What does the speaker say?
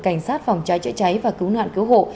cảnh sát phòng cháy chữa cháy và cứu nạn cứu hộ